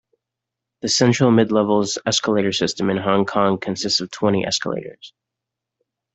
The Central-Midlevels escalator system in Hong Kong consists of twenty escalators.